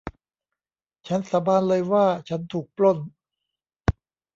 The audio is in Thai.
ฉันสาบานเลยว่าฉันถูกปล้น